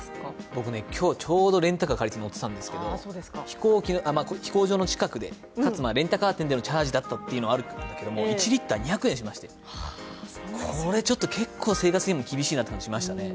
僕、今日ちょうどレンタカー借りて乗ってきたんですけれども、飛行場の近くで、かつレンタカー店でのチャージだったというのはあるんですが１リッター２００円しましてこれ、結構、生活にも厳しいなという感じがしましたね。